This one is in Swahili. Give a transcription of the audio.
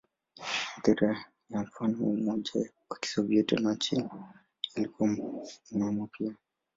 Athira ya mfano wa Umoja wa Kisovyeti na China ilikuwa muhimu pia.